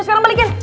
lo sekarang balikin